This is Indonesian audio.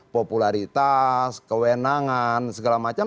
popularitas kewenangan segala macam